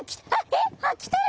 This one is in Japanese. えっ来てる！